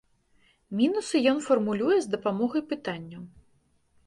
Мінусы ён фармулюе з дапамогай пытанняў.